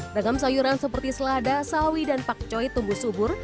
ragam sayuran seperti selada sawi dan pakcoy tumbuh subur